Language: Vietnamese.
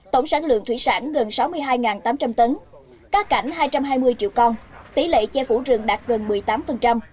tổng sản lượng thủy sản gần sáu mươi hai tám trăm linh tấn cá cảnh hai trăm hai mươi triệu con tỷ lệ che phủ rừng đạt gần một mươi tám